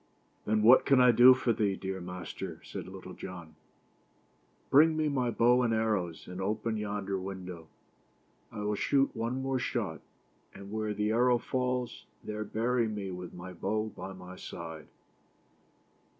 "Then what can I do for thee, dear master?" said Little John. " Bring me my bow and arrows, and open yonder window. I will shoot one more shot, and where the arrow falls, there bury me with my bow by my side."